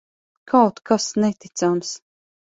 Kaut kas neticams.